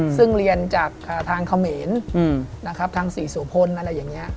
ซึ่งเรียนจากทางเขมรนะครับทางศรีสุพลอะไรอย่างนี้